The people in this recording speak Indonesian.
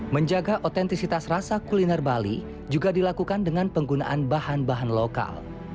menjaga otentisitas rasa kuliner bali juga dilakukan dengan penggunaan bahan bahan lokal